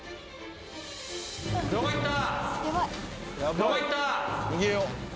・どこ行った？